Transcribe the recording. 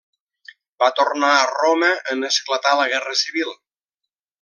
Va tornar a Roma en esclatar la guerra civil.